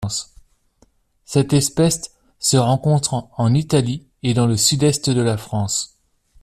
Cette espèce se rencontre en Italie et dans le sud-est de la France.